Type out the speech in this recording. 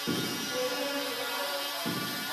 څنګه کولای سو په ښارونو کي د ګڼي ګوڼي ستونزه حل کړو؟